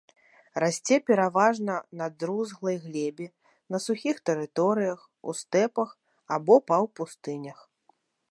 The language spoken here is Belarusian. Расце пераважна на друзлай глебе на сухіх тэрыторыях, у стэпах або паўпустынях.